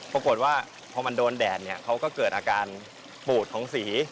ปรากฏว่าพอมันโดนแดดเนี่ยเขาก็เกิดอาการปูดของสี